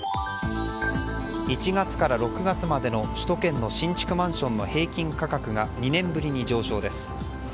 １月から６月までの首都圏の新築マンションの平均価格が２年ぶりに上昇です。